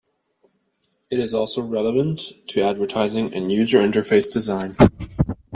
It is also relevant to advertising and user interface design.